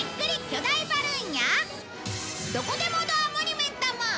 巨大バルーンやどこでもドアモニュメントも！